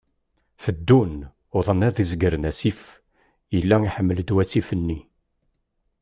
Teddun, wḍen ad zegren asif, yella iḥmel-d wasif-nni.